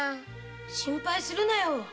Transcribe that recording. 心配するなよ